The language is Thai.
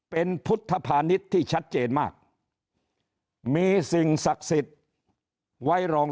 เป็นพุทธภานิษฐ์ที่ชัดเจนมากมีสิ่งศักดิ์สิทธิ์ไว้รอง